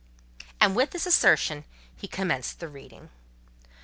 And with this assertion he commenced the reading.